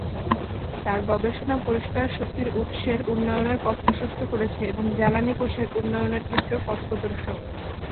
তার গবেষণা পরিষ্কার শক্তির উৎসের উন্নয়নের পথ প্রশস্ত করেছে এবং জ্বালানী কোষের উন্নয়নের ক্ষেত্রেও পথপ্রদর্শক।